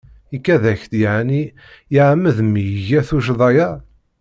Ikad-ak-d yeεni iεemmed mi iga tuccḍa-ya?